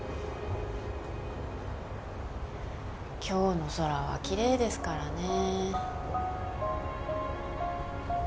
今日の空は奇麗ですからね。